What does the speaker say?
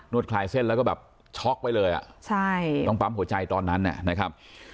คลายเส้นแล้วก็แบบช็อกไปเลยอ่ะใช่ต้องปั๊มหัวใจตอนนั้นนะครับ